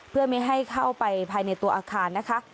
เพื่อไม่ให้เข้าไปภายในตัวอาคารนะคะ